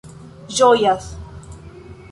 ĝojas